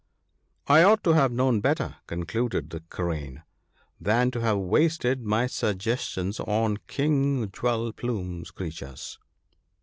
I ought to have known better/ concluded the Crane, * than to have wasted my suggestions on King Jewel plume's creatures.'